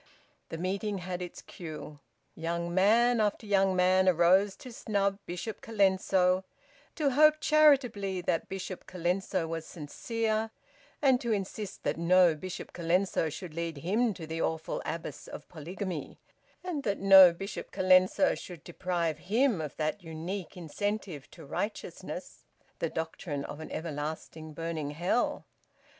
The meeting had its cue. Young man after young man arose to snub Bishop Colenso, to hope charitably that Bishop Colenso was sincere, and to insist that no Bishop Colenso should lead him to the awful abyss of polygamy, and that no Bishop Colenso should deprive him of that unique incentive to righteousness the doctrine of an everlasting burning hell.